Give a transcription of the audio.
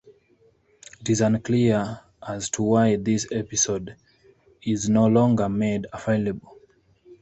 It is unclear as to why this episode is no longer made available.